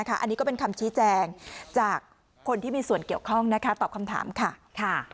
อันนี้ก็เป็นคำชี้แจงจากคนที่มีส่วนเกี่ยวข้องตอบคำถามค่ะ